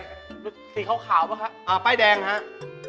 สีขาวหรือเปล่าครับอ้าวป้ายแดงครับ